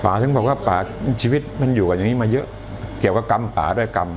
ถึงบอกว่าป่าชีวิตมันอยู่กันอย่างนี้มาเยอะเกี่ยวกับกรรมป่าด้วยกรรม